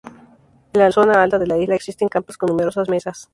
En la zona alta de la isla existen campas con numerosas mesas.